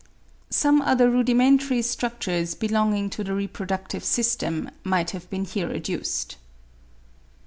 Some other rudimentary structures belonging to the reproductive system might have been here adduced.